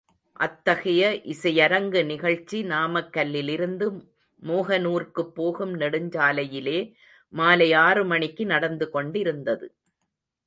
அத்தகைய இசையரங்கு நிகழ்ச்சி — நாமக்கல்லிலிருந்து மோகனூர்க்குப் போகும் நெடுஞ்சாலையிலே, மாலை ஆறு மணிக்கு நடந்து கொண்டிருந்தது.